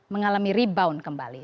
mengalami rebound kembali